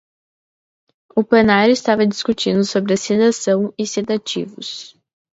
O plenário estava discutindo sobre a sedação e sedativos